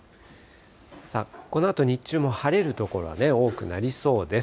さあ、このあと日中も晴れる所が多くなりそうです。